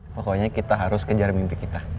pokoknya kita harus kejar mimpi kita